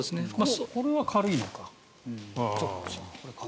これは軽いのか。